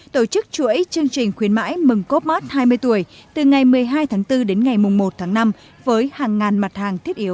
tổ chức chuỗi chương trình khuyến mãi mừng copmart hai mươi tuổi từ ngày một mươi hai tháng bốn đến ngày một tháng năm với hàng ngàn mặt hàng thiết yếu